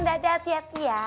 dadah hati hati ya